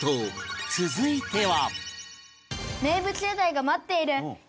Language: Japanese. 続いては